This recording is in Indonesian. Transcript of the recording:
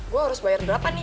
gue harus bayar berapa nih